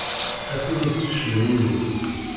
A tin yesfeclen ul-iw.